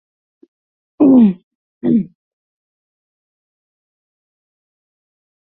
"Carl Gustaf Gilbert Hamilton" was born a Swedish noble.